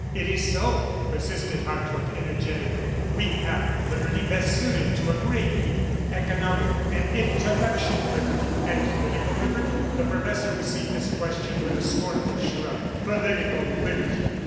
... "It is so," persisted Hartrott energetically. "We have the liberty best suited to a great people economical and intellectual liberty." "And political liberty?" The professor received this question with a scornful shrug. "Political liberty!